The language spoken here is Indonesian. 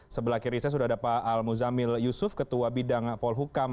sebelah kiri saya sudah ada pak al muzamil yusuf ketua bidang polhukam